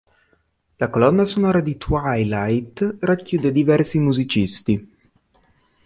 La colonna sonora di "Twilight" racchiude diversi musicisti.